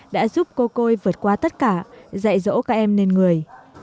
đã giúp cô côi vượt qua tất cả dạy dỗ các em lên người